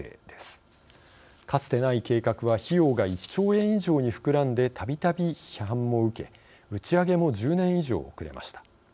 かつてない計画は費用が１兆円以上に膨らんでたびたび批判も受け打ち上げも１０年以上遅れました。